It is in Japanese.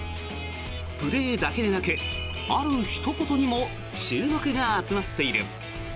プレーだけでなくあるひと言にも注目が集まっている。